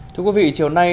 thưa quý vị chiều nay